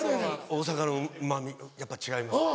大阪のまぁやっぱ違いますね。